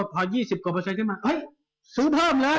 พอ๒๐กว่าเปอร์เซ็นขึ้นมาซื้อเพิ่มแล้ว